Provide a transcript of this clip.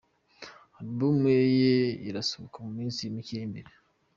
Album ye irasohoka mu minsi mike iri imbere!.